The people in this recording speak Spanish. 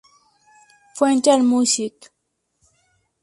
Fuente: Allmusic.